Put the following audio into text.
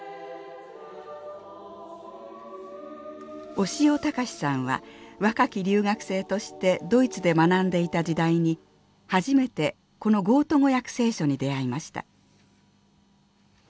小塩節さんは若き留学生としてドイツで学んでいた時代に初めてこのゴート語訳聖書に出会いました。